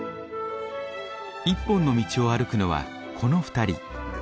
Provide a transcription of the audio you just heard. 一本の道を歩くのはこの２人。